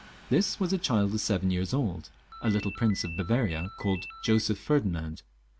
This was a child of seven years old, a little prince of Bavaria, called Joseph Ferdinand.